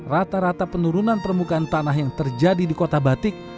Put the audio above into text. rata rata penurunan permukaan tanah yang terjadi di kota batik